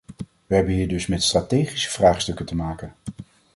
We hebben hier dus met strategische vraagstukken te maken.